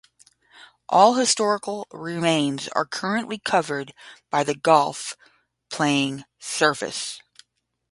All historical remains are currently covered by the golf playing surface.